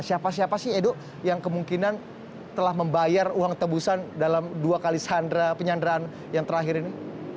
siapa siapa sih edo yang kemungkinan telah membayar uang tebusan dalam dua kali penyanderaan yang terakhir ini